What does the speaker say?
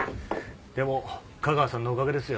でも架川さんのおかげですよ。